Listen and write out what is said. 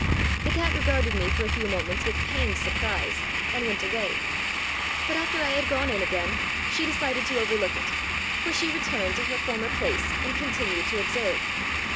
The cat regarded me for a few moments with pained surprise, and went away; but after I had gone in again, she decided to overlook it, for she returned to her former place, and continued to observe.